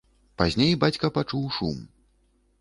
Пазней бацька пачуў шум.